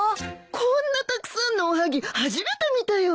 こんなたくさんのおはぎ初めて見たよ。